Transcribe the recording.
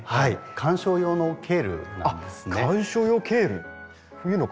観賞用のケールなんですね。